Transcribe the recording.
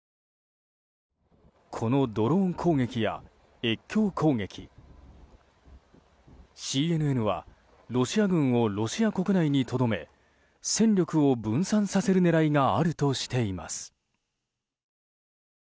このドローン攻撃や越境攻撃ＣＮＮはロシア軍をロシア国内にとどめ戦力を分散させる狙いがあるとしています。